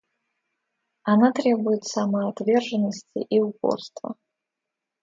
Она требует самоотверженности и упорства.